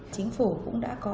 chính phủ cũng đã có